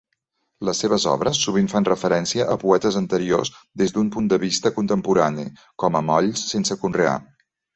Les seves obres sovint fan referència a poetes anteriors des d'un punt de vista contemporani, com a "Molls sense conrear".